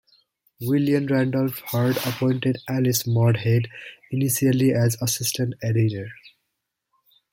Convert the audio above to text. William Randolph Hearst appointed Alice Maud Head initially as assistant editor.